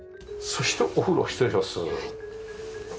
そしてお風呂失礼します。